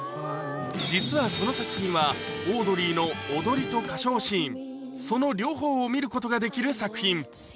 実はこの作品は、オードリーの踊りと歌唱シーン、その両方を見ることができる作品。